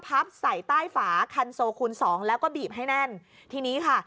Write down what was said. พับใส่ใต้ฝาคันโซคูณสองแล้วก็บีบให้แน่นทีนี้ค่ะ